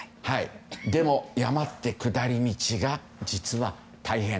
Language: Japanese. でも、山って下り道が実は大変。